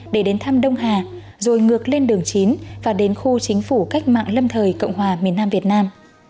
để đến thăm đông hà rồi ngược lên đường chín và đến khu chính phủ cách mạng lâm thời cộng hòa miền nam việt nam